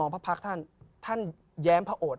พระพักษ์ท่านท่านแย้มพระโอด